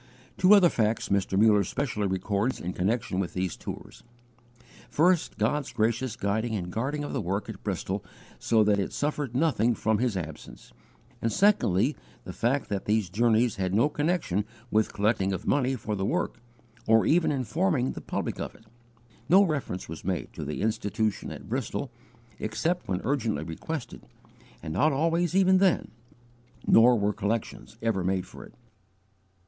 '" Two other facts Mr. Muller specially records in connection with these tours: first, God's gracious guiding and guarding of the work at Bristol so that it suffered nothing from his absence; and secondly, the fact that these journeys had no connection with collecting of money for the work or even informing the public of it. No reference was made to the Institution at Bristol, except when urgently requested, and not always even then; nor were collections ever made for it.